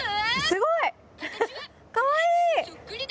すごい！かわいい！